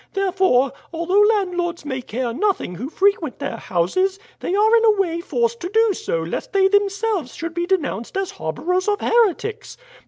Therefore, although landlords may care nothing who frequent their houses, they are in a way forced to do so lest they themselves should be denounced as harbourers of heretics.